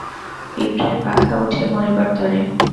পিঁপড়ের পাখা উঠে মরিবার তরে।